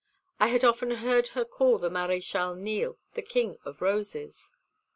I had often heard her call the Maréchal Niel the king of roses.